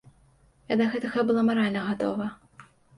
Я да гэтага была маральна гатова.